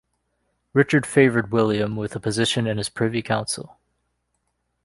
Richard favored William with a position in his Privy council.